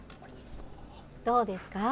どうですか。